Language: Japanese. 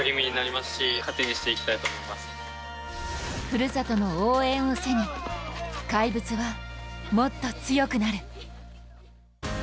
ふるさとの応援を背に怪物は、もっと強くなる。